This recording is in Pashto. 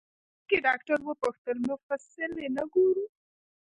ږیره لرونکي ډاکټر وپوښتل: مفصل یې نه ګورو؟